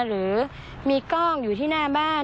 หรือมีกล้องอยู่ที่หน้าบ้าน